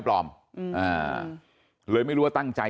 สวัสดีครับคุณผู้ชาย